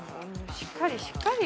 しっかりしっかり！